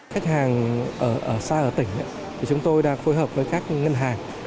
khách hàng ở xa ở tỉnh chúng tôi đang phối hợp với các ngân hàng